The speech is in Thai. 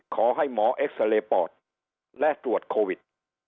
ขอให้หมอเอ็กซาเรย์ปอดและตรวจโควิด